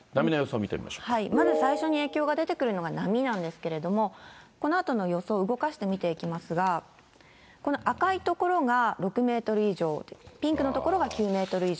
まず最初に影響が出てくるのが波なんですけれども、このあとの予想を動かして見ていきますが、この赤い所が６メートル以上で、ピンクの所が９メートル以上。